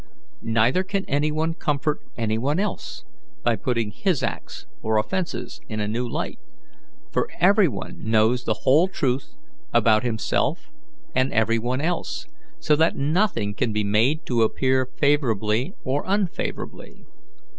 Neither can any one comfort any one else by putting his acts or offences in a new light, for every one knows the whole truth about himself and everybody else, so that nothing can be made to appear favourably or unfavourably.